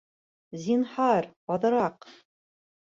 Зинһар, аҙыраҡ